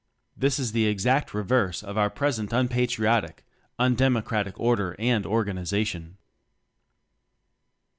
This is the exact reverse of our pres ent unpatriotic, un democratic order and organization.